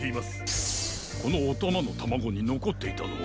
このおたまのタマゴにのこっていたのは。